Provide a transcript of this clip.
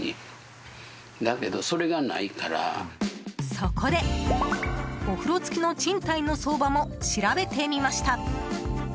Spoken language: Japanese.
そこで、お風呂付きの賃貸の相場も調べてみました。